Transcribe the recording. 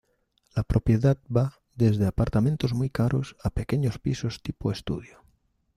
La propiedad va desde apartamentos muy caros a pequeños pisos tipo estudio.